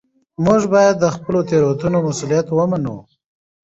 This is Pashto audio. موږ باید د خپلو تېروتنو مسوولیت ومنو